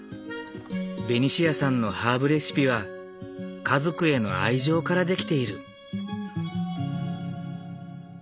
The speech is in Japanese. ベニシアさんのハーブレシピは家族への愛情から出来ている。